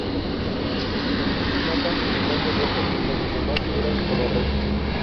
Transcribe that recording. Magneto mata a Cráneo Rojo mientras los demás miran con horror.